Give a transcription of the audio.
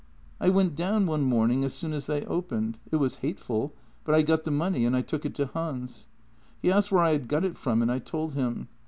I went down one morning as soon as they opened; it was hateful, but I got the money and I took it to Hans. He asked where I had got it from, and I told him.